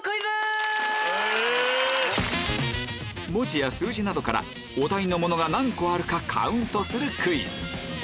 文字や数字などからお題のものが何個あるかカウントするクイズ